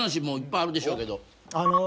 もういっぱいあるでしょうけど。